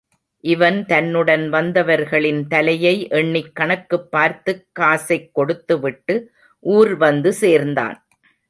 இவன் தன்னுடன் வந்தவர்களின் தலையை எண்ணிக் கணக்குப் பார்த்துக் காசைக் கொடுத்துவிட்டு ஊர் வந்து சேர்ந்தான்.